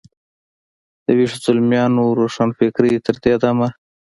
د ویښ زلمیانو روښانفکرۍ تر دې دمه.